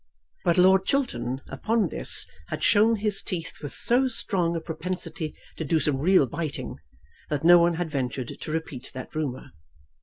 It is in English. But Lord Chiltern upon this had shown his teeth with so strong a propensity to do some real biting, that no one had ventured to repeat that rumour.